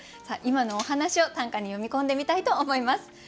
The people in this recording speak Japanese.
さあ今のお話を短歌に詠み込んでみたいと思います。